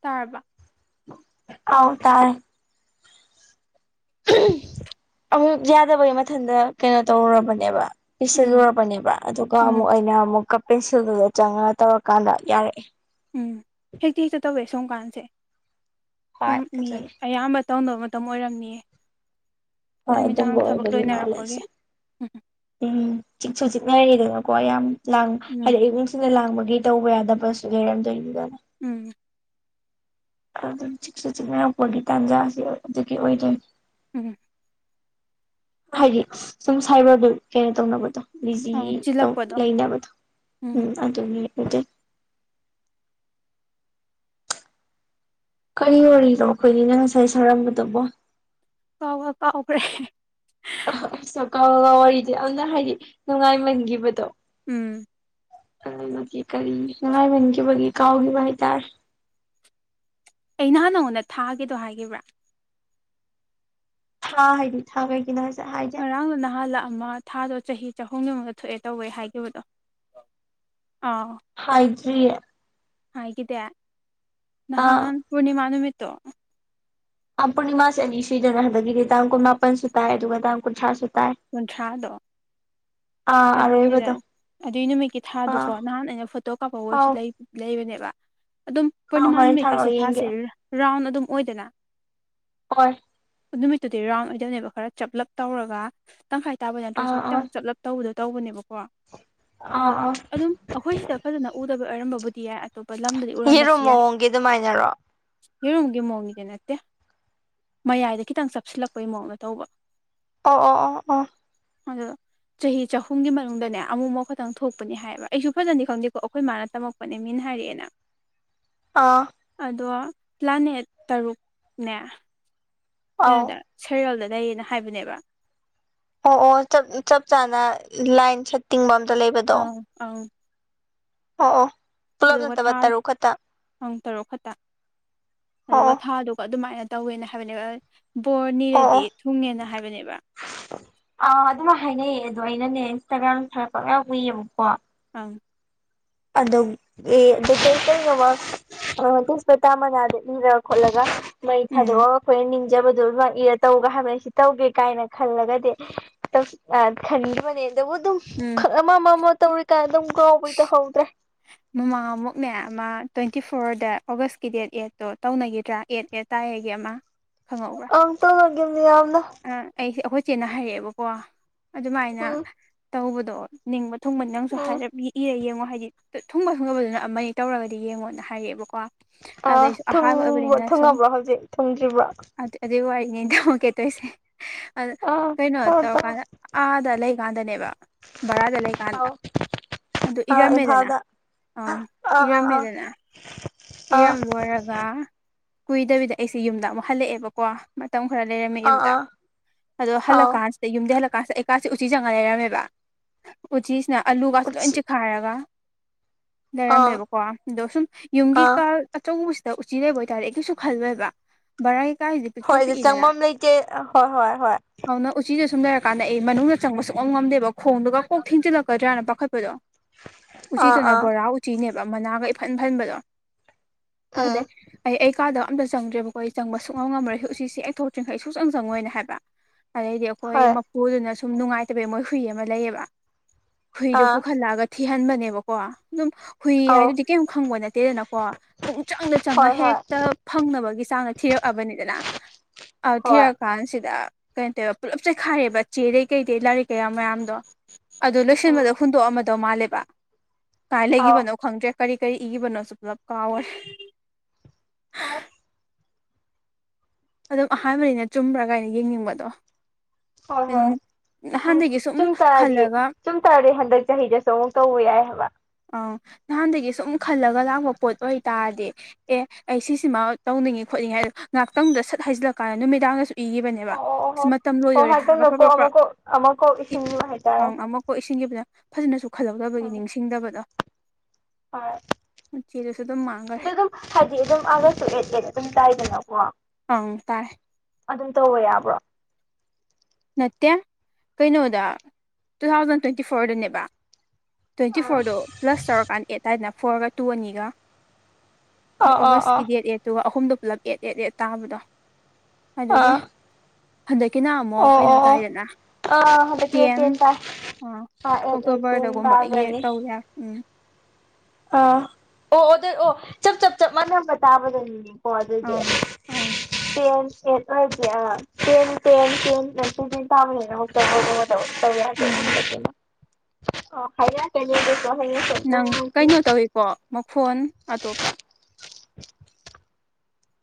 ꯇꯥꯔꯕ ꯑꯥꯎ ꯇꯥꯏ ꯑꯃꯨꯛ ꯌꯥꯗꯕꯒꯤ ꯃꯊꯟꯇ ꯀꯩꯅꯣ ꯇꯧꯔꯔꯕꯅꯦꯕ ꯎꯝ ꯄꯁꯤꯂꯨꯔꯕꯅꯦꯕ ꯑꯗꯨꯒ ꯎꯝ ꯑꯃꯨꯛ ꯑꯩꯅ ꯑꯃꯨꯛ ꯄꯦꯟꯁꯤꯜꯗꯨꯗ ꯆꯪꯉꯒ ꯇꯧꯔꯀꯥꯟꯗ ꯌꯥꯔꯛꯑꯦ ꯎꯝ ꯍꯦꯛꯇꯤ ꯍꯦꯛꯇ ꯇꯧꯋꯦ ꯁꯣꯝ ꯀꯥꯟꯁꯦ ꯍꯣꯏ ꯁꯨꯝꯝ ꯃꯤ ꯑꯗꯨꯅꯤ ꯑꯌꯥꯝꯕ ꯇꯧꯗꯅꯕ ꯃꯇꯝ ꯑꯣꯏꯔꯝꯅꯤꯌꯦ ꯍꯣꯏ ꯑꯗꯨꯝꯕ ꯅꯨꯃꯤꯗꯥꯡ ꯊꯕꯛ ꯑꯣꯏꯕꯒꯤ ꯂꯣꯏꯅꯔꯛꯄꯒꯤ ꯃꯥꯂꯦꯁꯦ ꯎꯝ ꯎꯝ ꯆꯤꯁꯨ ꯆꯤꯉꯗ ꯀꯣ ꯌꯥꯝ ꯂꯥꯡ ꯍꯥꯏꯗꯤ ꯎꯝ ꯏꯃꯨꯡꯁꯤꯅ ꯂꯥꯡꯕꯒꯤ ꯇꯧꯕ ꯌꯥꯗꯕꯁꯨ ꯂꯩꯔꯝꯗꯣꯏꯗꯨꯗ ꯎꯝ ꯑꯗꯨꯝ ꯆꯛꯁꯨ ꯆꯤꯛꯅꯔꯛꯄꯒꯤ ꯇꯥꯟꯖꯥꯁꯤ ꯑꯗꯨꯒꯤ ꯑꯣꯏꯔꯦ ꯎꯝ ꯍꯥꯏꯗꯤ ꯁꯨꯝ ꯁꯥꯏꯕꯔꯗꯨ ꯀꯩꯅꯣ ꯇꯧꯅꯕꯗꯣ ꯕꯤꯖꯤ ꯑꯃꯨꯛ ꯇꯧ ꯆꯤꯜꯂꯛꯄꯗꯣ ꯂꯩꯅꯕꯗꯣ ꯎꯝ ꯑꯗꯨꯒꯤ ꯑꯗꯨꯗ ꯀꯔꯤ ꯑꯣꯏꯅꯣ ꯑꯩꯈꯣꯏꯅꯤꯅ ꯉꯁꯥꯏ ꯁꯥꯔꯝꯕꯗꯨꯕꯣ ꯇꯥꯎ ꯇꯥꯎꯈꯔꯦ ꯑꯁꯀꯒ ꯋꯥꯔꯤꯗꯤ ꯌꯥꯝꯅ ꯍꯥꯏꯗꯤ ꯅꯨꯡꯉꯥꯏꯃꯟꯈꯤꯕꯗꯣ ꯎꯝ ꯀ ꯅꯦ ꯀꯔꯤꯅꯉꯥꯏ ꯃꯒꯦꯕ ꯀꯥꯎꯒꯤ ꯥꯏ ꯇꯔ꯫ ꯑꯩ ꯅꯍꯥꯟ ꯅꯉꯣꯟꯗ ꯊꯥꯒꯦꯗꯣ ꯍꯥꯏꯈꯤꯕ꯭ꯔꯥ ꯊꯥ ꯍꯥꯏꯗꯤ ꯊꯥ ꯀꯩ ꯀꯅ ꯍꯔꯥꯡ ꯅꯍꯜꯂ ꯑ ꯃꯥ ꯊꯥꯗꯣ ꯆꯍꯤ ꯆꯍꯨꯝ ꯌꯃꯨꯒ ꯊꯣꯛꯑꯦ ꯇꯧꯕꯦ ꯍꯥꯏꯈꯤꯕꯗꯣ ꯑꯥꯎ ꯍꯔꯤ ꯍꯥꯏꯗ ꯑꯥ ꯅꯍꯥꯟ ꯄꯨꯔꯅꯤꯅꯤꯃꯥ ꯅꯨꯃꯤꯠꯇꯣ ꯄꯨꯔꯅꯤꯃꯥꯁ ꯑꯅꯤ ꯁꯣꯏꯗꯅ ꯍꯥꯏꯕꯒꯤꯗꯤ ꯇꯥꯡꯛ ꯃꯥꯄꯟꯁꯨꯨ ꯇꯥꯏ ꯑꯗꯨꯒ ꯇꯥꯡꯟꯁꯨꯥꯏ ꯀꯟꯗꯥꯗ ꯑꯥ ꯑꯔ ꯏꯕꯗꯣ ꯑꯗꯨꯏ ꯅꯨꯃꯤꯠꯀꯤ ꯊꯥꯗꯨꯀꯣ ꯅꯍꯥꯟ ꯑꯩꯅ ꯐꯣꯇꯣ ꯀꯥꯞꯄ ꯑꯣꯏꯔꯁꯨ ꯑꯥꯎ ꯂꯩꯕꯅꯦꯕ ꯑꯗꯨꯝ ꯑꯥ ꯍꯣꯔꯦꯟ ꯊꯥꯔꯛꯑꯣ ꯄꯨꯔꯅꯤꯃꯥꯃꯤꯀꯩꯁꯤ ꯌꯦꯡꯒꯦ ꯊꯥꯁꯦ ꯔꯥꯎꯟ ꯑꯗꯨꯝ ꯑꯣꯏꯗꯅ ꯍ ꯅꯨꯃꯤꯠꯇꯨꯗꯤ ꯔꯥꯎꯟ ꯑꯣꯏꯗꯣꯏꯅꯦꯕ ꯈꯔ ꯆꯞꯂꯞ ꯇꯧꯔꯒ ꯇꯪꯈꯥꯏ ꯇꯥꯕ ꯅꯠꯇ꯭ꯔꯁꯨ ꯑꯥ ꯑꯥ ꯈꯤꯇꯪ ꯆꯞꯂꯞ ꯇꯧꯕꯗꯣ ꯇꯧꯕꯅꯦꯕꯀꯣ ꯑꯥ ꯑꯗꯣ ꯑꯥ ꯑꯗꯨꯝ ꯑꯩꯈꯣꯏ ꯁꯤꯗ ꯐꯖꯅ ꯎꯗꯕ ꯑꯣꯏꯔꯝꯕꯕꯨꯗꯤ ꯌꯥꯏ ꯑꯇꯣꯞꯄ ꯂꯝꯗꯗꯤ ꯌꯦꯔꯨꯝ ꯎꯔꯝꯕꯁꯨ ꯌꯥꯏ ꯃꯑꯣꯡꯒꯤ ꯑꯗꯨꯃꯥꯏꯅꯔꯣ ꯌꯦꯔꯨꯝꯒꯤ ꯃꯑꯣꯡꯒꯤꯗꯤ ꯅꯠꯇꯦ ꯃꯌꯥꯏꯗ ꯈꯤꯇꯪ ꯆꯞꯁꯤꯜꯂꯛꯄꯩ ꯃꯑꯣꯡꯗ ꯇꯧꯕ ꯑꯣ ꯑꯣ ꯑꯣ ꯑꯣ ꯑꯗꯨꯗ ꯆꯍꯤ ꯆꯍꯨꯝꯒꯤ ꯃꯅꯨꯡꯗꯅꯦ ꯑꯃꯨ ꯑꯃꯈꯛꯇꯪ ꯊꯣꯛꯄꯅꯤ ꯍꯥꯏꯕ ꯑꯩꯁꯨ ꯐꯖꯅꯤ ꯈꯪꯗꯦꯀꯣ ꯑꯩꯈꯣꯏ ꯃꯥꯅ ꯇꯝꯃꯛꯄꯅꯦ ꯃꯤꯅ ꯍꯔꯤꯌꯥꯅꯥ ꯑ ꯑꯗꯣ ꯂꯥꯅꯦꯠ ꯇꯔꯨꯛꯅꯦ ꯑꯧ ꯀꯩꯅꯣꯗ ꯁꯩꯔꯣꯜꯗ ꯂꯩꯌꯦꯅ ꯍꯥꯏꯕꯅꯦꯕ ꯑꯣ ꯑꯣꯞ ꯆꯞ ꯆꯥꯅ ꯂꯥꯏꯟ ꯁꯠꯇꯤꯡꯕ ꯑꯥ ꯑ ꯑ ꯑ ꯑꯗꯨꯒ ꯊꯥ ꯄꯨꯡ ꯇꯔꯨꯛ ꯈꯛꯇ ꯑꯗꯨꯒ ꯑꯣ ꯑꯣ ꯊꯥꯗꯨꯒ ꯑꯗꯨꯃꯥꯏꯅ ꯇꯧꯋꯦꯅ ꯍꯥꯏꯕꯅꯦꯕ ꯕꯣꯔ ꯑꯣ ꯅꯤꯔꯗꯤ ꯑꯣ ꯊꯨꯡꯉꯦꯅ ꯍꯥꯏꯕꯅꯦꯕ ꯑꯥ ꯑꯗꯨꯃꯥꯏ ꯍꯥꯏꯅꯩꯌꯦ ꯑꯗꯣ ꯑꯩꯅꯅꯦ ꯏꯟꯁꯇꯥꯒ꯭ꯔꯥꯝ ꯈꯔ ꯄꯛ ꯎꯏꯌꯦꯕꯀꯣ ꯑꯪ ꯑꯗꯣ ꯑꯗꯨꯇꯉ ꯋꯥ ꯑ ꯇꯦꯁꯄꯇꯥ ꯃꯅꯥꯗ ꯏꯔꯒ ꯈꯣꯠꯂꯒ ꯃꯩ ꯎꯝ ꯊꯥꯗꯣꯛꯑꯒ ꯑꯩꯈꯣꯏꯅ ꯅꯤꯡ ꯄꯖꯕꯗꯨꯣ ꯏꯔ ꯇꯧꯒ ꯍꯥꯏꯕꯅꯦ ꯁꯤ ꯇꯧꯒꯦ ꯀꯥꯏꯅ ꯈꯜꯂꯒꯗꯤ ꯈꯟꯈꯤꯕꯅꯦ ꯕꯨ ꯑꯗꯨꯝ ꯎꯝ ꯑꯃ ꯑꯃ ꯑꯃ ꯇꯧꯔꯤꯀꯥꯟ ꯑꯗꯨꯝ ꯀꯥꯎꯕꯩ ꯇꯍꯧꯗ꯭ꯔꯦ ꯃꯃꯥꯡ ꯑꯃꯨꯛꯅꯦ ꯑꯃ ꯇ꯭ꯋꯦꯟꯇꯤ ꯐꯣꯔꯗ ꯑꯣꯒꯁꯀꯤ ꯗꯦꯠ ꯑꯦꯗꯠꯇꯣ ꯇꯧꯅꯈꯤꯗ꯭ꯔꯥ ꯑꯦꯠ ꯑꯦꯠ ꯇꯥꯏꯌꯦꯒꯤ ꯑꯃ ꯈꯪꯍꯧꯕ꯭ꯔꯥ ꯑ ꯇ ꯍꯧꯒꯦ ꯑꯩꯁꯦ ꯑꯩꯈꯣꯏ ꯆꯦꯠꯅ ꯍꯥꯏꯔꯛꯑꯦꯕꯀꯣ ꯑꯗꯨꯃꯥꯏꯅ ꯎꯝ ꯇꯧꯕꯗꯣ ꯅꯤꯡꯕ ꯑ ꯊꯨꯡꯕ ꯅꯪꯁꯨ ꯎꯝ ꯍꯥꯏꯔꯞ ꯏꯔ ꯌꯦꯡꯉꯣ ꯍꯥꯏꯗꯤ ꯊꯨꯡꯕ ꯁꯨꯡꯕꯗꯨꯅ ꯑꯃꯅꯤ ꯇꯧꯔꯒꯗꯤ ꯌꯦꯡꯉꯣꯅ ꯍꯥꯏꯔꯛꯑꯦꯕꯀꯣ ꯑꯥ ꯑꯗꯩ ꯑꯍꯥꯕꯅ ꯁꯣ ꯊꯨꯡꯉꯕ꯭ꯔꯣ ꯍꯧꯖꯤꯛ ꯊꯨꯡꯗ꯭ꯔꯤꯕ꯭ꯔꯣ ꯑ ꯑꯗꯨꯦ ꯋꯥ ꯑꯣꯀꯦꯠꯇꯣꯏꯁꯦ ꯑ ꯑꯥ ꯀꯩꯅꯣ ꯇꯧꯔꯣ ꯇꯧꯔꯣ ꯇꯧꯔꯀꯥꯟꯗ ꯑꯥꯗ ꯂꯩꯀꯥꯟꯗꯅꯦꯕ ꯚꯔꯥꯗ ꯂꯩꯀꯥꯟꯗ ꯑꯥꯎ ꯑꯗꯨ ꯑꯥ ꯏꯔꯝꯃꯦꯗꯅ ꯏꯝꯐꯥꯜꯗ ꯑꯪ ꯑꯥ ꯑꯥ ꯑꯥ ꯏꯔꯝꯃꯦꯗꯅ ꯑꯥ ꯏꯔꯝ ꯑꯣꯏꯔꯒ ꯀꯨꯏꯗꯕꯤꯗ ꯑꯩꯁꯦ ꯌꯨꯝꯗ ꯑꯃꯨꯛ ꯍꯜꯂꯛꯑꯦꯕꯀꯣ ꯃꯇꯝ ꯈꯔ ꯂꯩꯔꯝꯃꯤ ꯑꯥ ꯌꯨꯝꯗ ꯑꯥ ꯑꯗꯣ ꯑꯥꯎ ꯍꯜꯂꯛꯀꯥꯟꯁꯤꯗ ꯌꯨꯝꯗ ꯍꯂꯛ ꯀꯥꯁ ꯀꯩꯀꯥꯁꯦ ꯎꯆꯤ ꯆꯪꯉ ꯂꯩꯔꯝꯃꯦꯕ ꯎꯆꯤꯁꯤꯅ ꯑꯂꯨꯒꯁꯨ ꯂꯣꯏ ꯎꯆꯤ ꯆꯤꯛꯈꯥꯏꯔꯒ ꯑꯥ ꯂꯩꯔꯝꯃꯦꯕꯀꯣ ꯑꯗꯣ ꯁꯨꯝ ꯌꯨꯝꯒꯤ ꯑꯥ ꯀꯥ ꯑꯆꯧꯕ꯫ ꯎꯆꯤ ꯂꯩꯕ ꯑꯣꯏꯇꯥꯥꯔꯗꯤ ꯑꯩ ꯀꯩꯁꯨ ꯈꯜꯂꯣꯏꯕ ꯕꯥꯔꯥ꯫ ꯍꯣꯏ ꯆꯪꯐꯝ ꯑꯃ ꯂꯩꯇꯦ ꯍꯣꯏ ꯍꯣꯏ ꯍꯣꯏ ꯁꯝꯅꯔꯀꯥꯟꯗ ꯑꯩ ꯃꯅꯨꯡꯗ ꯆꯪꯕ ꯁꯨꯛꯉꯝ ꯉꯝꯗꯦꯕ ꯈꯣꯡꯗꯨꯒ ꯀꯣꯛ ꯊꯦꯡꯖꯤꯜꯂꯛꯀꯗ꯭ꯔꯥꯅ ꯄꯥꯈꯠꯄꯗꯣ ꯑꯥ ꯎꯆꯤꯗꯨꯅ ꯑꯥ ꯕꯣꯔꯥ ꯎꯆꯤꯅꯦꯕ ꯃꯅꯥꯒ ꯏꯐꯟ ꯐꯟꯕꯗꯣ ꯎꯝ ꯑꯗꯨꯗꯩ ꯑꯩ- ꯑꯩ ꯀꯥꯗꯕ ꯑꯝꯇ ꯆꯪꯗ꯭ꯔꯦꯕꯀꯣ ꯑꯩ ꯆꯪꯕ ꯁꯨꯛꯉꯝ ꯉꯝꯃꯔꯣꯏ ꯎꯆꯤꯁꯤ ꯍꯦꯛ ꯊꯣꯛꯇ꯭ꯔꯤꯡꯈꯩ ꯁꯨꯛꯆꯪ ꯆꯪꯉꯣꯏꯅ ꯍꯥꯏꯕ ꯑꯗꯩꯗꯤ ꯑꯩꯈꯣꯏ ꯍꯣꯏ ꯃꯄꯨꯗꯨꯅ ꯁꯨ ꯁꯨꯝ ꯅꯨꯡꯉꯥꯏꯇꯕꯩ ꯃꯣꯏ ꯍꯨꯏ ꯑꯃ ꯂꯩꯌꯦꯕ ꯍꯨꯏꯗꯣ ꯑꯥ ꯄꯨꯈꯠꯂꯛꯑꯒ ꯊꯤꯍꯟꯕꯅꯦꯕꯀꯣ ꯑꯗꯨꯝ ꯍꯨꯏ ꯑꯧ ꯍꯥꯏꯗꯨꯗꯤ ꯀꯦꯝ ꯈꯪꯕ ꯅꯠꯇꯦꯗꯅꯀꯣ ꯄꯨꯡ ꯆꯪꯗ ꯆꯪꯉ ꯍꯣꯏ ꯍꯣꯏ ꯍꯦꯛꯇ ꯐꯪꯅꯕꯒꯤ ꯆꯥꯡꯗ ꯊꯤꯔꯛ ꯑꯕꯅꯤꯗꯅ ꯍꯣꯏ ꯊꯤꯔꯛꯀꯥꯟꯁꯤꯗ ꯀꯩꯅꯣ ꯇꯧꯋꯦ ꯄꯨꯜꯂꯞ ꯆꯦꯈꯥꯏꯔꯦꯕ ꯆꯦꯗꯩ ꯀꯩꯗꯩ ꯂꯥꯏꯔꯤꯛ ꯀꯩꯌꯥ ꯃꯌꯥꯝꯗꯣ ꯑꯗꯨ ꯎꯝ ꯂꯣꯏꯁꯤꯟꯕꯗ ꯍꯨꯟꯗꯣꯛꯑꯝꯗꯧ ꯃꯥꯜꯂꯦꯕ ꯀꯥꯏ ꯑꯧ ꯂꯩꯒꯤꯕꯅꯣ ꯈꯪꯗ꯭ꯔꯦ ꯀꯔꯤ- ꯀꯔꯤ ꯏꯈꯤꯕꯅꯣꯁꯨ ꯄꯨꯂꯞ ꯀꯥꯎꯋꯦ ꯑ ꯑꯗꯨꯝ ꯑꯍꯥꯟꯕꯅꯤꯅ ꯆꯨꯝꯕ꯭ꯔꯥ ꯀꯥꯏꯅ ꯌꯦꯡꯅꯤꯡꯕꯗꯣ ꯍꯣꯏ -ꯍꯣꯏ ꯅꯍꯥꯟꯗꯒꯤ ꯁꯨꯝ ꯆꯨꯝ ꯇꯥꯔꯗꯤ ꯈꯜꯂꯒ -ꯆꯨꯝ ꯇꯥꯔꯗꯤ ꯍꯟꯗꯛ ꯆꯍꯤꯗꯁꯨ ꯑꯃꯨꯛ ꯇꯧꯕ ꯌꯥꯏ ꯍꯥꯏꯕ ꯑꯪ ꯅꯍꯥꯟꯗꯒꯤ ꯁꯨꯝ ꯈꯜꯂꯒ ꯂꯥꯛꯄ ꯄꯣꯠ ꯑꯣꯏꯇꯥꯔꯗꯤ ꯑꯦ ꯑꯩ ꯁꯤꯁꯤꯃ ꯇꯧꯅꯤꯡꯉꯤ ꯈꯣꯠꯅꯤꯡꯉꯦ ꯍꯥꯏꯗꯣ ꯉꯥꯛꯇꯪꯗ ꯁꯠ ꯍꯥꯏꯖꯤꯜꯂꯀꯥꯟ ꯅꯨꯃꯤꯗꯥꯡꯗꯁꯨ ꯄꯤꯈꯤꯕꯅꯦꯕ ꯑꯣ ꯑꯣ ꯑꯣ ꯁꯤ ꯍꯣ ꯃꯇꯝ ꯑꯣ ꯂꯣꯏꯗꯣꯏꯔꯦ ꯍꯥꯏꯔꯒ ꯍꯟꯗꯛꯅ ꯀꯣꯛ ꯄ꯭ꯔꯞ- ꯄ ꯑꯃ -ꯄ ꯀꯣꯛ ꯑꯃ ꯀꯣꯛ ꯏꯁꯤꯟꯈꯤꯕ ꯍꯥꯏꯇꯥꯔꯦ ꯑꯃ ꯀꯣꯛ ꯏꯁꯤꯟꯈꯤꯕꯅꯦ ꯐꯖꯅꯁꯨ ꯈꯜꯂꯧꯗꯕꯒꯤ ꯅꯤꯡꯁꯤꯡꯗꯕꯗꯣ ꯑ ꯆꯦꯗꯨꯁꯨ ꯑꯗꯨꯝ -ꯑ ꯃꯥꯡꯈꯔꯦ ꯑꯗꯨꯝ ꯍꯥꯏꯗꯤ ꯑꯗꯨꯝ ꯑꯒꯁ ꯇꯨ ꯑꯦꯠ -ꯑꯦꯠ ꯑꯗꯨꯝ ꯇꯥꯏꯗꯅ ꯑꯣ ꯑꯪ ꯇꯥꯔꯦ ꯑꯗꯨꯝ ꯇꯧꯕ ꯌꯥꯕ꯭ꯔꯣ ꯅꯠꯇꯦ ꯀꯩꯅꯣꯗ ꯇꯨ ꯊꯥꯎꯖꯟ ꯇ꯭ꯋꯦꯟꯇꯤ ꯐꯣꯔꯗꯅꯦꯕ ꯇ꯭ꯋꯦꯟꯇꯤ ꯑ ꯐꯣꯔꯗꯣ ꯄ꯭ꯂꯁ ꯇꯧꯔꯀꯥꯟꯗ ꯑꯦꯠ ꯇꯥꯏꯗꯅ ꯐꯣꯔꯒ ꯇꯨ ꯑꯅꯤꯒ ꯑꯗꯣ ꯑꯥ ꯑꯣꯒꯁꯀꯤ ꯑꯥ ꯑꯦꯠ -ꯑꯦꯠꯇꯨꯒ ꯑꯍꯨꯝ ꯗꯨꯒꯄꯨꯂꯞ ꯑꯦꯠ- ꯑꯦꯠ- ꯑꯦꯠ ꯇꯥꯕꯗꯣ ꯑꯗꯨꯒꯤ ꯑꯥ ꯍꯟꯗꯛꯀꯤꯅ ꯑꯃꯨꯛ ꯑꯣ ꯀꯩꯅꯣ ꯑꯣ ꯑꯣ ꯇꯥꯏꯗꯅ ꯑꯥ ꯍꯟꯗꯛꯀꯤꯅ ꯇꯦꯟ ꯇꯥꯏ ꯑ ꯑꯥ ꯑꯦꯠ ꯑꯦꯠ ꯇꯦꯟ ꯑꯣꯛꯇꯣꯕꯔꯗꯒꯨꯝꯕ ꯇꯥꯈ꯭ꯔꯅꯤ ꯇꯧꯋꯦ ꯎꯝ ꯑꯥ ꯑꯣ ꯑꯗꯨꯗꯣ ꯑꯣ ꯆꯞ- ꯆꯞ -ꯆꯞ ꯃꯥꯟꯅꯕ ꯇꯥꯕꯗꯅꯤꯅꯦ ꯍꯣ ꯑꯗꯨꯗꯤ ꯑꯪ ꯑꯪ ꯄꯦꯟ ꯑꯦꯠ ꯑꯣꯏꯗꯤ ꯑꯥ ꯇꯦꯟ- ꯇꯦꯟ ꯇꯦꯟꯇꯤ ꯇꯦꯟ ꯇꯥꯕꯅꯤꯅ ꯍꯧ [unintelligible] ꯇꯧꯒꯦ ꯍꯥꯏꯔ ꯎꯝ ꯀꯅꯦꯁꯨ ꯅꯪ ꯍꯌꯦꯡ [unintelligible] ꯀꯩꯅꯣ ꯇꯧꯏꯀꯣ ꯃꯈꯣꯟ ꯑꯇꯣꯞꯄ [unintelligible]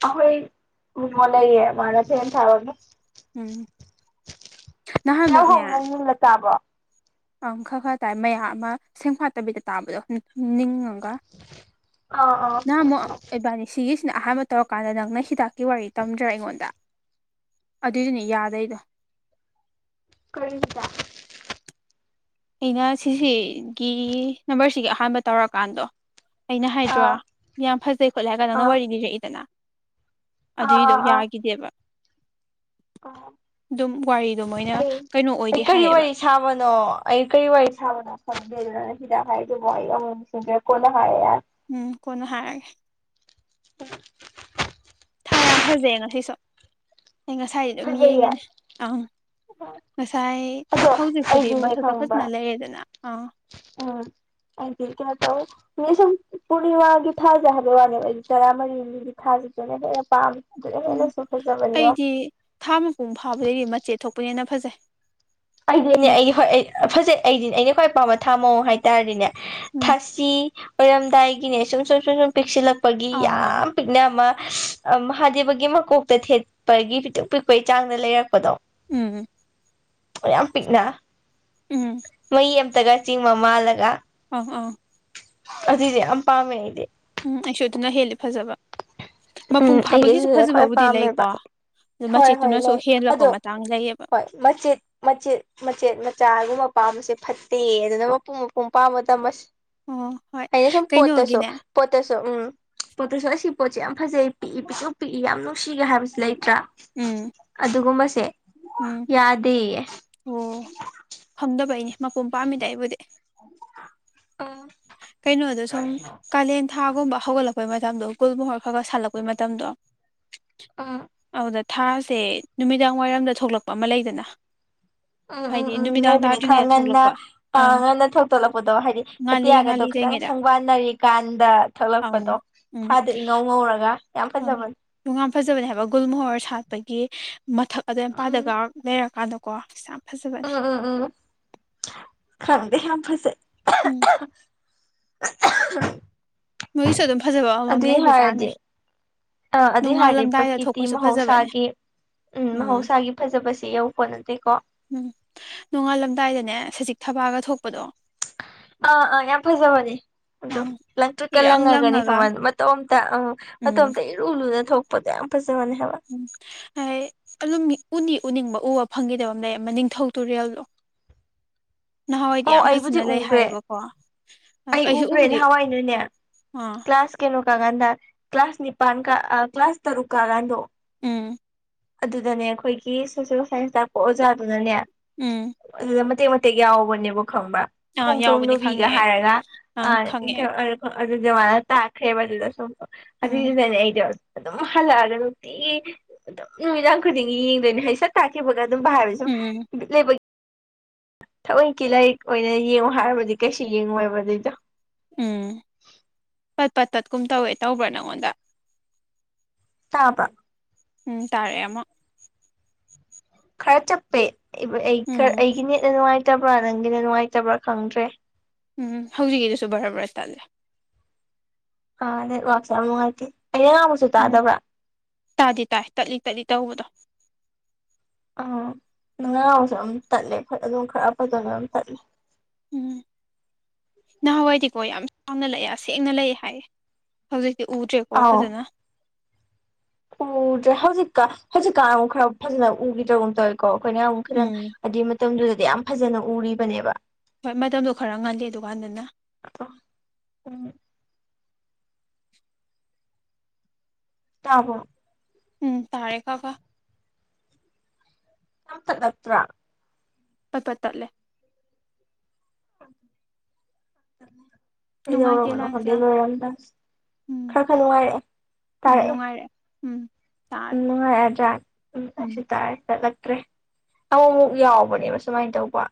ꯑꯩꯈꯣꯏ ꯃꯣꯃꯣ ꯂꯩꯌꯦ ꯃꯥꯅ ꯐꯦꯟ ꯊꯥꯔꯛꯄ ꯎꯝ ꯀꯌꯥ ꯅꯍꯥꯟꯃꯨꯛꯅꯦ ꯍꯣꯡꯅ ꯌꯨꯝꯗ ꯇꯥꯕꯣ ꯑꯪ ꯈꯔ -ꯈꯔ ꯇꯥꯏ ꯃꯌꯥꯝ ꯑꯃ ꯁꯦꯡꯐꯥꯠꯇꯕꯤꯗ ꯇꯥꯕꯗꯣ ꯅꯤꯡ ꯒ ꯑꯥ ꯅꯍꯥꯟ ꯑꯃꯨꯛ ꯑꯥ ꯑꯦꯕꯥꯅꯤ ꯁꯤꯒꯤ ꯁꯤꯅ ꯑꯍꯥꯟꯕ ꯇꯧꯔꯀꯥꯟꯗ ꯅꯪꯅ ꯍꯤꯗꯥꯛꯀꯤ ꯋꯥꯔꯤ ꯇꯝꯗ꯭ꯔ ꯑꯩꯉꯣꯟꯗ ꯑꯗꯨꯏꯗꯤꯅꯦ ꯌꯥꯗꯩꯗꯣ ꯀꯔꯤ ꯍꯤꯗꯥꯛ ꯑꯩꯅ ꯁꯤꯁꯤꯒꯤ ꯅꯝꯕꯔꯁꯤꯒꯤ ꯑꯍꯥꯟꯕ ꯇꯧꯔꯀꯥꯟꯗꯣ ꯑꯩꯅ ꯍꯥꯏꯗ꯭ꯔꯣ ꯑꯥ ꯌꯥꯝ ꯐꯖꯩ ꯈꯣꯠꯂꯦ ꯍꯥꯏꯔꯒ ꯅꯪꯅ ꯑꯥ ꯋꯥꯔꯤ ꯂꯤꯔꯛꯏꯗꯅ ꯑꯗꯨꯏꯗꯣ ꯌꯥꯒꯤꯗꯦꯕ ꯑ ꯋꯥꯔꯤꯗꯣ ꯃꯣꯏꯅ ꯀꯩꯅꯣ ꯑꯣꯏꯗꯦ ꯑꯩ ꯀꯔꯤ ꯍꯥꯏꯌꯦꯕ ꯋꯥꯔꯤ ꯁꯥꯕꯅꯣ ꯑꯩ ꯀꯔꯤ ꯋꯥꯔꯤ ꯁꯥꯕꯗ ꯈꯪꯗꯦ ꯑꯗꯨꯗꯨꯅ ꯍꯤꯗꯥꯛ ꯍꯥꯏꯗꯨꯕꯨ ꯑꯩ ꯑꯃꯨꯛ ꯁꯤꯡꯗꯔꯦ ꯀꯣꯟꯅ ꯍꯥꯏꯔꯒꯦ ꯌꯥꯔꯦ ꯎꯝ ꯀꯣꯟꯅ ꯍꯥꯏꯔꯒꯦ ꯊꯥ ꯌꯥꯝ ꯐꯖꯩꯌꯦ ꯉꯁꯤꯁꯨ ꯑꯩ ꯉꯁꯥꯏ ꯑꯗꯨꯝ ꯐꯖꯩꯌꯦ ꯌꯦꯡꯉꯤꯅꯦ ꯑꯪ ꯉꯁꯥꯏ ꯑꯗꯣ ꯍꯧꯖꯤꯛꯄꯨꯗꯤ ꯃꯊꯛꯇ ꯐꯖꯅ ꯂꯩꯔꯦꯗꯅ ꯑꯥ ꯑ ꯍꯥꯏꯗꯤ ꯀꯩꯅꯣ ꯇꯧꯋ ꯅ ꯁꯨꯝ ꯄꯨꯔꯅꯤꯃꯥꯒꯤ ꯊꯥꯖ ꯍꯥꯏꯕ ꯋꯥꯅꯦꯕ ꯑꯩꯗꯤ ꯇꯔꯥꯃꯔꯤꯅꯤꯒꯨ ꯊꯥ ꯁꯤꯗꯅ ꯍꯦꯟꯅ ꯄꯥꯝ ꯎꯝ ꯑꯩꯗꯤ ꯊꯥ ꯃꯄꯨꯡ ꯐꯥꯕꯗꯤ ꯃꯆꯦꯠ ꯊꯣꯛꯄꯅꯦꯅ ꯐꯖꯩ ꯑꯩꯗꯤꯅꯦ ꯎꯝ ꯑꯩꯗꯤ ꯍꯣꯏ ꯑꯩ ꯐꯖꯩ ꯑꯩꯗꯤꯅꯦ ꯑꯩꯅ ꯈ꯭ꯋꯥꯏ ꯄꯥꯝꯕ ꯊꯥ ꯃꯑꯣꯡ ꯍꯥꯏꯇꯥꯥꯔꯗꯤꯅꯦ ꯊꯥꯁꯤ ꯑꯣꯏꯔꯝꯗꯥꯏꯒꯤꯅꯦ ꯁꯨꯝ ꯁꯨꯝ ꯁꯨꯝ ꯁꯨꯝ ꯄꯤꯛꯁꯤꯜꯂꯛꯄ ꯄꯒꯤ ꯑꯥ ꯌꯥꯝ ꯄꯤꯛꯅ ꯑꯃ ꯑ ꯃꯍꯥꯗꯦꯕꯒꯤ ꯃꯀꯣꯛꯇ ꯊꯦꯠꯄꯒꯤ ꯄꯤ ꯄꯤꯛꯄꯒꯤ ꯆꯥꯡꯗ ꯂꯩꯔꯛꯄꯗꯣ ꯎꯝ ꯌꯥꯝ ꯄꯤꯛꯅ ꯎꯝ ꯃꯩ ꯑꯃꯝꯇꯒ ꯆꯤꯡꯕ ꯃꯥꯜꯂꯒ ꯑꯪ ꯑꯪ ꯑꯗꯗꯤ ꯌꯥꯝ ꯄꯝꯃꯦ ꯑꯩꯗꯤ ꯎꯝ ꯑꯩꯁꯨ ꯑꯗꯨꯅ ꯍꯦꯜꯂꯤ ꯐꯖꯕ ꯎꯝ ꯃꯄꯨꯡ ꯐꯥꯕꯒꯤꯁꯨ ꯑꯩꯒꯤꯁꯤꯁꯤꯅ ꯈ꯭ꯋꯥꯏ ꯐꯖꯕꯕꯨꯗꯤ ꯂꯩꯀꯣ ꯄꯥꯝꯃꯦꯕ ꯑꯗꯨ ꯍꯣꯏ ꯍꯣꯏ ꯃꯆꯦꯠꯇꯨꯅꯁꯨ ꯂꯩ ꯍꯦꯜꯂꯛꯄ ꯑꯗꯣ ꯃꯇꯥꯡ ꯂꯩꯌꯦꯕ ꯍꯣꯏ ꯃꯆꯦꯠ ꯃꯆꯦꯠ ꯃꯆꯦꯠ ꯃꯆꯥꯒꯨꯝꯕ ꯄꯥꯝꯕꯁꯦ ꯐꯠꯇꯦ ꯑꯗꯨꯅ ꯃꯄꯨꯡ ꯃꯄꯨꯡ ꯄꯥꯝꯕꯗ ꯃꯁ ꯑꯣ ꯍꯣꯏ ꯑꯩꯅ ꯁꯨꯝ ꯄꯣꯇꯥꯁꯣ ꯀꯩꯅꯣꯒꯤꯅꯦ ꯄꯇꯥꯁꯣ ꯎꯝ ꯄꯇꯁꯣ ꯁꯤ ꯄꯣ ꯐꯖꯩ ꯄꯤꯛꯏ ꯄꯤꯛꯁꯨ ꯄꯤꯛꯏ ꯌꯥꯝ ꯅꯨꯡꯁꯤꯒꯦ ꯍꯥꯏꯕꯁꯨ ꯂꯩꯇ꯭ꯔꯥ ꯎꯝ ꯑꯗꯨꯒꯨꯝꯕꯁꯦ ꯎꯝ ꯌꯥꯗꯦꯌꯦ ꯑꯣ ꯐꯪꯗꯕꯩꯅꯤ ꯃꯄꯣꯝ ꯄꯥꯝꯃꯤꯗ ꯑꯩꯕꯨꯗꯤ ꯎꯝ ꯀꯩꯅꯣꯗꯣ ꯁꯨꯝ ꯀꯥꯂꯦꯟ ꯊꯥꯒꯨꯝꯕ ꯍꯧꯒꯠꯂꯛꯄꯩ ꯇꯝꯗꯣ ꯒꯨꯜ ꯃꯣꯍꫭꯔ ꯈꯔ ꯈꯔ ꯁꯥꯠꯂꯛꯄꯩ ꯃꯇꯝꯗꯣ ꯑꯥ ꯑꯗꯨꯗ ꯊꯥꯁꯦ ꯅꯨꯃꯤꯗꯥꯡ ꯋꯥꯏꯔꯝꯗ ꯊꯣꯛꯂꯛꯄ ꯑꯃ ꯂꯩꯗꯅ ꯎꯝ ꯎꯝ ꯍꯥꯏꯗꯤ ꯎꯝ ꯅꯨꯃꯤꯗꯥꯡ ꯂꯩꯕꯅꯤ ꯈꯔ ꯇꯥꯗ꯭ꯔꯤꯉꯩꯗ ꯉꯟꯅ ꯊꯣꯛꯂꯛꯄ ꯑ ꯑꯪ ꯉꯟꯅ ꯊꯣꯛꯧꯇꯣꯂꯛꯄꯗꯣ ꯍꯥꯏꯗꯤ ꯉꯥꯜꯂꯤ ꯑꯇ ꯒꯗꯣ ꯉꯥꯜꯂꯤ ꯈꯤꯇꯪ ꯇꯔꯤꯉꯩꯗ ꯁꯪꯕꯥꯅꯔꯤ ꯀꯥꯟꯗ ꯑꯪ ꯊꯛꯂꯛꯄꯗꯣ ꯎꯝ ꯊꯥꯗ ꯏꯉꯧ ꯉꯧꯔꯒ ꯑꯪ ꯌꯥꯝꯖꯕ ꯌꯥꯝ ꯐꯖꯕꯅꯦ ꯍꯥꯏꯕ ꯒꯨꯜ ꯃꯣꯍꯣꯔ ꯁꯥꯠꯄꯒꯤ ꯃꯊꯛ ꯑꯗ ꯎꯝ ꯏꯄꯥꯗꯒ ꯂꯩꯔꯀꯥꯟꯗ ꯀꯣ ꯆꯝ ꯎꯝ ꯎꯝ ꯎꯝ ꯈꯪꯗꯦ ꯌꯥꯝ ꯐꯁꯦ [inaudible] ꯎꯝ ꯃꯣꯏꯁꯨ ꯑꯗꯨꯝ ꯐꯖꯕ ꯑꯃꯃꯝ ꯂꯩꯕꯖꯥꯠꯅꯦ ꯍꯥꯏꯔꯗꯤ ꯑꯥ ꯑꯗꯨꯏ ꯍꯥꯏꯔꯗꯤ ꯅꯣꯡꯉꯥꯜꯂꯝꯗꯥꯏꯗ ꯄ꯭ꯔꯀꯤꯇꯤ ꯊꯣꯛꯄꯁꯨ ꯐꯖꯕꯅꯦ ꯃꯍꯧꯁꯥꯒꯤ ꯎꯝ ꯃꯍꯧꯁꯥꯒꯤ ꯐꯖꯕꯁꯤ ꯌꯧꯄꯣꯠ ꯅꯠꯇꯦꯀꯣ ꯎꯝ ꯅꯣꯡꯉꯥꯜꯂꯝꯗꯥꯏꯗꯅꯦ ꯁꯖꯤꯛ ꯊꯕꯥꯒ ꯊꯣꯛꯄꯗꯣ ꯑ ꯑ ꯌꯥꯝ ꯐꯖꯕꯅꯦ ꯑꯪ ꯑꯗꯨ ꯏꯔꯪ ꯀꯜꯂꯪꯉꯒꯅꯤ ꯂꯪꯉꯒ ꯈꯃꯜ ꯃꯇꯣꯝꯇ ꯑ ꯎꯝ ꯃꯇꯣꯝꯇ ꯏꯔꯨ ꯂꯨꯅ ꯊꯣꯛꯄꯗꯣ ꯌꯥꯝ ꯐꯖꯩ ꯎꯝ ꯑꯗꯨ ꯎ ꯄꯨꯅꯤꯡꯕ ꯎꯕ ꯐꯪꯈꯤꯗꯕ ꯑꯃ ꯂꯩ ꯅꯤꯡꯊꯧ ꯇꯨꯔꯦꯜꯗꯣ ꯅꯍꯥꯟꯋꯥꯏꯗꯤ ꯑꯧ ꯌꯥꯝ ꯑꯩꯕꯨꯗꯤ ꯐꯖꯅ ꯂꯩ ꯎꯒ꯭ꯔꯦ ꯍꯥꯏꯌꯦꯕꯀꯣ ꯑꯩꯁꯨ ꯎꯕꯨꯗꯤ ꯑꯥ ꯀ ꯀ꯭ꯂꯥꯁ ꯀꯩꯅꯣ ꯀꯥꯒꯥꯟꯗ ꯀ ꯀ꯭ꯂꯥꯁ ꯅꯤꯄꯥꯟ ꯀ ꯀ꯭ꯂꯥꯁ ꯇꯔꯨꯛ ꯀꯥ ꯀꯥꯟꯗꯣ ꯎꯝ ꯑꯗꯨꯗꯅꯦ ꯑꯩꯈꯣꯏꯒꯤ ꯁꯣꯁꯦꯜ ꯁꯥꯏꯟꯁ ꯇꯥꯛꯄ ꯑꯣꯖꯥꯗꯨꯅꯅꯦ ꯎꯝ ꯑꯗꯨꯗ ꯃꯇꯦꯛ ꯌꯥꯎꯕꯅꯦꯕ ꯈꯪꯕ ꯑꯥ ꯈꯣꯡꯖꯣꯝ ꯌꯥꯎꯕꯅꯤ ꯅꯨꯕꯤꯒ ꯈꯪꯉꯦ ꯑꯩ ꯍꯥꯏꯔꯒ ꯑꯪ ꯈꯪꯉꯦ ꯑꯗꯨꯖꯨꯃꯥꯅ ꯇꯥꯈ꯭ꯔꯦꯕ ꯑꯗꯨꯗꯁꯨ ꯑꯃꯨꯛ ꯎꯝ ꯑꯗꯨꯒꯤꯅꯅꯦ ꯑꯩꯗꫭ ꯑꯗꯨꯝ ꯍꯜꯂꯛꯑꯒ ꯅꯨꯡꯇꯤ ꯑꯗꯨꯝ ꯅꯨꯃꯤꯗꯥꯡ ꯈꯨꯗꯤꯡꯒꯤ ꯌꯦꯡꯗꯣꯏꯅꯤ ꯍ ꯁꯠ ꯇꯥꯛꯈꯤꯕꯒ ꯑꯗꯨꯝ ꯍꯥꯏꯔ ꯎꯝ ꯂꯩ ꯊꯑꯣꯏꯒꯤ ꯂꯥꯏꯔꯤꯛ ꯑꯣꯏꯅ ꯌꯦꯡꯉꯨ ꯍꯥꯏꯔꯕꯗꯤ ꯀꯩꯁꯨ ꯌꯦꯡꯉꯨꯕ ꯑꯗꯨꯏꯗꯣ ꯎꯝ ꯄꯠ ꯄꯠ ꯇꯠꯀꯨꯝ ꯇꯧꯋꯦ ꯇꯧꯕ꯭ꯔꯥ ꯅꯪꯉꯣꯟꯗ ꯇꯥꯕ꯭ꯔ ꯎꯝ ꯇꯥꯔꯛꯑꯦ ꯑꯃ ꯀꯔꯆꯄꯦ ꯎꯝ ꯂꯩꯇꯕ꯭ꯔꯥ ꯅꯪꯒꯤꯅ ꯅꯨꯡꯉꯥꯏꯇꯕ꯭ꯔꯥ ꯈꯪꯗ꯭ꯔꯦ ꯎꯝ ꯍꯧꯖꯤꯛꯀꯤꯗꯨꯁꯨ ꯕꯔꯥ ꯕꯔꯥ ꯇꯜꯂꯦ ꯑ ꯋꯥꯥꯛꯃ ꯍꯥꯏꯥꯏꯇꯦ ꯎꯝ ꯇꯥꯗꯤ ꯇꯥꯏ ꯇꯠꯂꯤ ꯇꯠꯂꯤ ꯇꯧꯕꯗꯣ ꯑꯥ ꯃꯉꯥꯥꯎꯁꯨ ꯑꯗꯨꯝ ꯇꯠꯂꯦ ꯑꯗꯨꯝ ꯈꯔ ꯐꯖꯅ ꯑꯗꯨꯝ ꯇꯠꯂꯦ [inaudible] ꯎꯝ ꯅꯍꯥꯟꯋꯥꯏꯗꯤꯀꯣ ꯌꯥꯝ ꯆꯥꯎꯅ ꯂꯩꯑꯦ ꯑꯁꯦꯡꯅ ꯂꯩꯑꯦ ꯍꯥꯏꯌꯦ ꯍꯧꯖꯤꯛ ꯁꯤ ꯎꯗ꯭ꯔꯦꯀꯣ ꯑꯥꯎ ꯐꯖꯅ ꯎꯗ꯭ꯔꯦ ꯍꯧꯖꯤꯛꯀ ꯍꯧꯖꯤꯛꯀꯥ ꯑꯃꯨꯛ ꯈꯔ ꯐꯖꯅ ꯎꯈꯤꯗ꯭ꯔꯒꯨꯝꯇ ꯀꯣ ꯑꯩꯈꯣꯏꯅ ꯑꯃꯨꯛ ꯈꯤꯇꯪ ꯎꯝ ꯑꯗꯨꯏ ꯃꯇꯝꯗꯨꯗꯗꯤ ꯌꯥꯝ ꯐꯖꯅ ꯎꯔꯤꯕꯅꯦꯕ ꯍꯣꯏ ꯃꯇꯝꯗꯣ ꯈꯔ ꯉꯜꯗꯦ ꯗꯨꯀꯥꯟꯗꯅ ꯑꯗꯣ ꯎꯝ ꯇꯥꯕꯣ ꯎꯝ ꯇꯥꯔꯦ ꯀꯥ ꯀꯥ ꯇꯗꯠꯇ꯭ꯔ ꯄꯄꯥ ꯇꯠꯂꯦ ꯍ ꯌꯧꯔꯣ ꯅꯨꯡꯉꯥꯏꯇꯦ ꯀꯅꯣ ꯂꯥꯏꯟꯁꯦ ꯍꯗ ꯌꯥꯝ ꯂꯣꯏꯔꯗ ꯎꯝ ꯈꯔ ꯈꯔ ꯅꯨꯡꯉꯥꯏꯔꯛꯑꯦ ꯎꯝ ꯇꯥꯔꯛꯑꯦ ꯅꯨꯡꯉꯥꯏꯔꯦ ꯎꯝ ꯇꯥꯔꯦ ꯅꯨꯡꯉꯣꯏ ꯌꯥꯥꯛ ꯎꯝ ꯎ ꯇ ꯆꯠꯇ꯭ꯔꯦ ꯑꯃꯨꯛ ꯑꯃꯨꯛ ꯌꯥꯎꯕꯅꯦꯕ ꯁꯨꯃꯥꯏꯅ ꯇꯧꯕ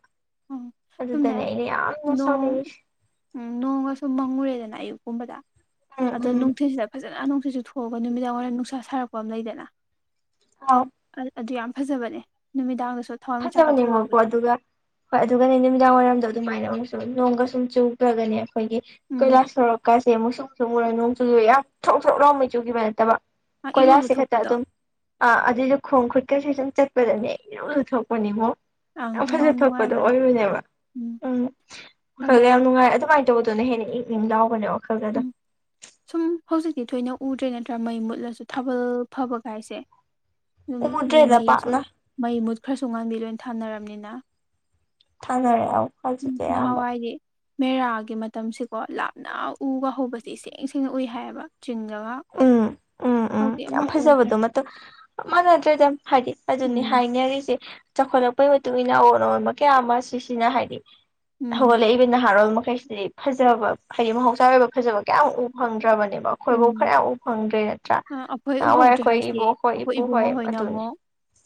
ꯎꯝ ꯁꯨꯝꯅꯦ ꯑꯗꯨꯗꯅꯦ ꯑꯩꯅ ꯌꯥꯝꯅ ꯅꯣꯡ ꯁꯥꯎꯅꯤꯡꯉꯤꯁꯦ ꯎꯝ ꯅꯣꯡꯒ ꯁꯨꯝ ꯃꯪꯉꯨꯔꯦꯗꯅ ꯑꯌꯨꯛ ꯨꯝꯕꯗ ꯎꯝ ꯑꯗꯣ ꯎꯝ ꯅꯨꯡꯊꯤꯜꯁꯤꯗ ꯐꯖꯅ ꯐꯖ ꯅꯨꯡꯁꯤꯠꯁꯨ ꯊꯣꯛꯑꯒ ꯅꯨꯃꯤꯗꯥꯡ ꯋꯥꯏꯔꯝ ꯅꯨꯡꯁꯥ ꯁꯥꯔꯛꯄ ꯑꯃ ꯂꯩꯗꯅ ꯑꯥ ꯑ- ꯑꯗꯨ ꯌꯥꯝ ꯐꯖꯕꯅꯦ ꯅꯨꯃꯤꯗꯥꯡꯗꯁꯨ ꯊꯋꯥꯏ ꯃꯤꯆꯥꯛꯀ ꯐꯖꯥꯎꯅꯤ ꯃꯒꯣ ꯊꯣꯛꯂꯛꯄꯗꯣ ꯑꯗꯨꯒ ꯍꯣꯏ ꯑꯗꯨꯒꯅꯦ ꯅꯨꯃꯤꯗꯥꯡ ꯋꯥꯏꯔꯝꯗꯣ ꯑꯗꯨꯃꯥꯏꯅ ꯑꯃꯨꯛꯁꯨ ꯅꯣꯡꯒ ꯁꯨꯝ ꯆꯨꯈ꯭ꯔꯒꯅꯦ ꯑꯩꯈꯣꯏꯒꯤ ꯎꯝ ꯀꯣꯏꯂꯥꯁ ꯁꯣꯔꯛꯀꯁꯦ ꯑꯃꯨꯛꯁꯨ ꯃꯨꯛꯁꯨꯛꯨꯔ ꯅꯣꯡ ꯆꯨꯈꯤꯕ ꯌꯥꯝ ꯁꯣꯛ ꯁꯣꯛ ꯂꯥꯎ ꯃꯩ ꯆꯨꯈꯤꯕ ꯅꯠꯇꯕ ꯑ, ꯏꯔꯨ ꯀꯣꯏꯂꯥꯁꯦ ꯈꯛꯇ ꯂꯨꯊꯣꯛꯄꯗꯣ ꯑꯗꯨꯝ ꯑ ꯑꯗꯨꯏ ꯂ ꯈꯣꯡ ꯈꯨꯠꯀꯁꯨ ꯑꯗꯨꯝ ꯆꯠꯄꯗꯅꯦ ꯂꯣꯏ ꯂꯊꯣꯛꯄ ꯐꯅꯤꯉꯣ ꯑꯪ ꯌꯥꯝ ꯐꯖ ꯊꯣꯛꯄꯗꯣ ꯅꯨꯡꯉꯥꯏꯕꯅꯦ ꯑꯣꯏꯔꯨꯅꯦꯕ ꯎꯝ ꯋꯥꯈꯜꯗ ꯑꯗꯩ ꯌꯥꯝ ꯅꯨꯡꯉꯥꯏ ꯑꯗꯨꯃꯥꯏꯅ ꯇꯧꯕꯗꯨꯅ ꯍꯦꯟꯅ ꯏꯛ ꯏ ꯂꯥꯎꯒꯅꯦ ꯑꯣ ꯎꯝ ꯁꯨꯝ ꯍꯧꯖꯤꯛ ꯁꯤꯗꯤ ꯊꯣꯏꯅ ꯎꯗ꯭ꯔꯦ ꯅꯠꯇ꯭ꯔꯥ ꯃꯩ ꯃꯨꯠꯂꯁꯨ ꯊꯥꯕꯜ ꯐꯕ ꯀꯥꯏꯁꯦ ꯑꯗꯨꯝ ꯎꯗ꯭ꯔꯦꯗ ꯃꯩꯁꯨ ꯄꯥꯛꯅ ꯃꯩ ꯃꯨꯠ ꯈ꯭ꯔꯁꯨ ꯉꯥꯡꯕꯤ ꯂꯣꯏ ꯊꯥꯅꯔꯕꯅꯤꯅ ꯊꯥꯡꯅꯔꯦ ꯑꯥꯎ ꯐꯖꯤꯗꯦ ꯍꯝꯕ ꯅꯍꯥꯟꯋꯥꯏꯗꯤ ꯃꯦꯔꯥꯒꯤ ꯃꯇꯝꯁꯤꯀꯣ ꯂꯥꯞꯅ ꯎꯒ ꯍꯧꯕꯁ ꯏꯁꯦꯡ ꯁꯦꯡꯅ ꯎꯏ ꯍꯥꯏꯌꯦꯕ ꯎꯝ ꯑ ꯎꯝ ꯎꯝ ꯌꯥꯝ ꯐꯖꯕꯗꯣ ꯃꯞ ꯃꯥꯟꯅꯗ꯭ꯔꯦꯗ ꯍꯥꯏꯗꯤ ꯑꯗꯨꯅꯤ ꯎꯝ ꯍꯥꯏꯅꯔꯤꯁꯦ ꯆꯥꯎꯈꯠꯂꯛꯄꯩ ꯃꯇꯨꯡ ꯏꯟꯅ ꯑꯑꯣꯟ ꯑꯣꯣꯟꯕ ꯀꯌꯥ ꯑꯃ ꯁꯤꯁꯤꯅ ꯍꯥꯏꯗꯤ ꯎꯝ ꯍꯧꯒꯠꯂꯛꯏꯕ ꯅꯍꯥꯔꯣꯜ ꯃꯈ ꯀꯩꯁꯤꯗꯤ ꯐꯖꯕ ꯍꯥꯏꯗꯤ ꯃꯍꯧꯁꯥꯒꯤ ꯑꯣꯏꯕ ꯐꯖꯕ ꯀꯌꯥꯃꯨꯛ ꯎꯕ ꯐꯪꯗ꯭ꯔꯕꯅꯦꯕ ꯑꯩꯈꯣꯏꯐꯧ ꯎꯝ ꯈꯔꯌꯥꯝ ꯎ ꯐꯪꯗ꯭ꯔꯦ ꯅꯠꯇ꯭ꯔꯥ ꯑꯩꯈꯣꯏ ꯅꯍꯥꯟꯋꯥꯏ ꯎꯍꯧꯗ꯭ꯔꯦ ꯑꯩꯈꯣꯏ ꯍꯥꯏꯁꯦ ꯏꯕꯣꯛꯈꯣꯏ ꯑꯩꯈꯣꯏ ꯏꯄꯨ ꯍꯣꯏ ꯏꯕꯨꯡꯉꯣ ꯍꯣꯏꯅ ꯑꯗꯨꯅꯤ ꯑꯃꯨꯛ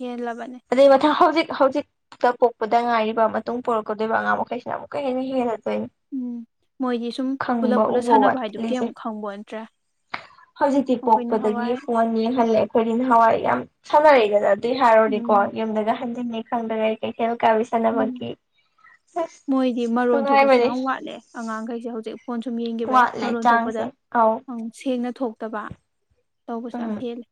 ꯍꯦꯜꯂꯕꯅꯦ ꯑꯩ ꯃꯊꯪ ꯍꯧꯥꯎꯖꯤ ꯍꯧꯖꯤꯛꯇ ꯄꯣꯛꯄꯗ ꯉꯥꯏꯔꯤꯕ ꯃꯇꯨꯡ ꯄꯔꯛꯀꯗꯣꯏꯔꯤꯕ ꯑꯉꯥꯡ ꯃꯈꯩꯁꯤꯅ ꯑꯃꯨꯛꯀ ꯍꯦꯟꯅ ꯍꯦꯟꯅꯗꯣꯏꯅꯤ ꯎꯝ ꯃꯣꯏꯗꯤ ꯁꯨꯝ ꯄꯨꯂꯞ ꯄꯨꯂꯞ ꯎꯕ ꯁꯥꯟꯅꯕ ꯍꯥꯏꯗꯨ ꯋꯥꯠꯂꯤꯁꯦ ꯀꯩꯨꯛ ꯈꯪꯕ ꯅꯠꯇ꯭ꯔꯦ ꯍꯧꯖꯤꯛꯇꯤ ꯄꯣꯛꯄꯗꯒꯤ ꯐꯣꯟ ꯌꯦꯡꯍꯜꯂꯦ ꯑꯩꯈꯣꯏꯗꯤ ꯅꯍꯥꯟꯋꯥꯏ ꯌꯥꯝ ꯁꯥꯟꯅꯔꯛꯑꯦꯗꯅ ꯑꯗꯨ ꯍꯥꯏꯔꯨꯔꯔꯤꯀꯣ ꯎꯝ ꯌꯨꯝꯗꯒ ꯍꯟꯖꯤꯟꯉꯦ ꯈꯪꯗꯒ ꯑꯩ ꯀꯩꯊꯦꯜ ꯀꯥꯕꯤ ꯎꯝ ꯁꯥꯟꯅꯕꯒꯤ ꯑꯁ ꯃꯣꯏꯗꯤ ꯃꯔꯣꯟ ꯊꯣꯛꯄꯁꯨ ꯅꯨꯡꯉꯥꯏꯕꯅꯦ ꯌꯥꯝ ꯋꯥꯠꯂꯦ ꯑꯉꯥꯡꯈꯩꯁꯦ ꯍꯧꯖꯤꯛ ꯐꯣꯟ ꯁꯨꯝ ꯌꯦꯡꯈꯤꯕ ꯌꯥꯏ ꯋꯥꯠꯂꯦ ꯃꯔꯣꯟ ꯊꯣꯛꯄꯗ ꯆꯥꯡꯁꯦ ꯑꯧ ꯎꯝ ꯁꯦꯡꯅ ꯊꯣꯛꯇꯕ ꯇꯧꯕꯁꯦ ꯌꯥꯝ ꯎꯝ ꯍꯦꯜꯂꯦ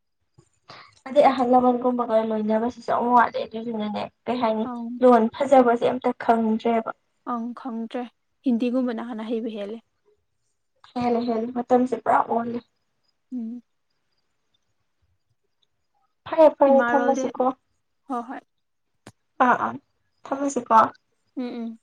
ꯑꯗꯦ ꯑꯔ ꯍꯣꯏ ꯂꯣꯏꯅꯕꯁꯤꯁꯨ ꯌꯥꯝ ꯋꯥꯠꯂꯦ ꯑꯗꯨꯗꯨꯅꯅꯦ ꯀꯩ ꯍꯥꯏꯅꯤ ꯑꯪ ꯂꯣꯟ ꯐꯖꯕꯁꯦ ꯑꯝꯇ ꯈꯪꯗ꯭ꯔꯦꯕ ꯑꯪ ꯈꯪꯗ꯭ꯔꯦ ꯍꯤꯟꯗꯤꯒꯨꯝꯕꯅ ꯍꯥꯟꯅ ꯍꯩꯕ ꯍꯦꯜꯂꯦ ꯍꯦꯟꯅ ꯍꯦꯂ ꯃꯇꯝꯁꯦ ꯄꯨꯔꯥ ꯑꯣꯜꯂꯦ ꯎꯝ ꯐꯔꯦ ꯐꯔꯦ ꯏꯃꯥꯔꯣꯜꯗꯤ ꯊꯝꯃꯁꯤꯀꯣ ꯍꯣꯏ ꯍꯣꯏ ꯑꯥ ꯑꯥ ꯊꯝꯃꯁꯤꯀꯣ ꯎꯝ ꯎꯝ